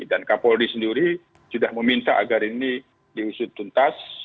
dan kapolri sendiri sudah meminta agar ini diusut tuntas